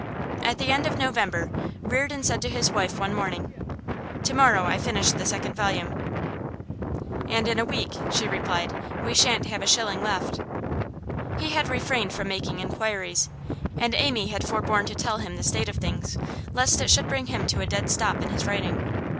At the end of November, Reardon said to his wife one morning: 'To morrow I finish the second volume.' 'And in a week,' she replied, 'we shan't have a shilling left.' He had refrained from making inquiries, and Amy had forborne to tell him the state of things, lest it should bring him to a dead stop in his writing.